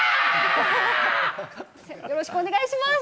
よろしくお願いします。